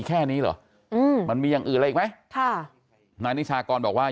คุณต้องการรู้สิทธิ์ของเขา